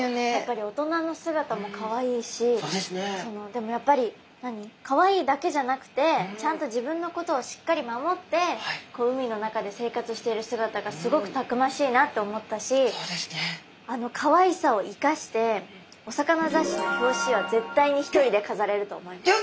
でもやっぱりかわいいだけじゃなくてちゃんと自分のことをしっかり守ってこう海の中で生活している姿がすごくたくましいなって思ったしあのかわいさを生かしてお魚雑誌の表紙は絶対に一人でかざれると思います。